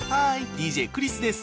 ＤＪクリスです。